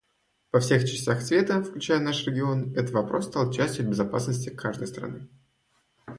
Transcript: Во всех частях света, включая наш регион, этот вопрос стал частью безопасности каждой страны.